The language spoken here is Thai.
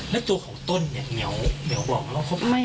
แล้วตัวของต้นเนี่ยเหนียวเดี๋ยวบอกว่าเขา